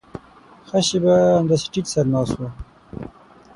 ښه شېبه همداسې ټيټ سر ناست و.